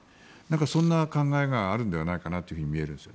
そんな考えがあるのではないかなと見えるんです。